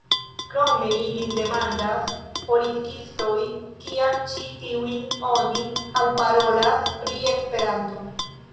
Krome ilin demandas politikistoj, kiam ĉi tiujn oni alparolas pri Esperanto.